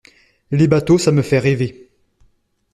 Les bateaux, ça me fait rêver.